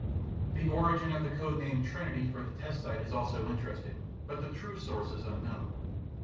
The origin of the code name Trinity for the test site is also interesting, but the true source is unknown.